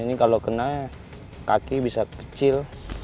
ini kalau kena kaki bisa kecil